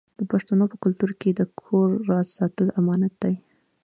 د پښتنو په کلتور کې د کور راز ساتل امانت دی.